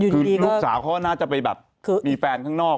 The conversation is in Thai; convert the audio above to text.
คือลูกสาวเขาน่าจะไปแบบมีแฟนข้างนอก